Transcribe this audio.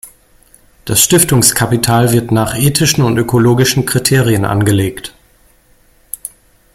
Das Stiftungskapital wird nach ethischen und ökologischen Kriterien angelegt.